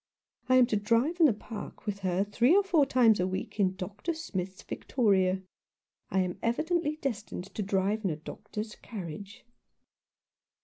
I am to drive in the park with her three or four times a week in Dr. Smith's victoria. I am evidently destined to drive in a doctor's carriage."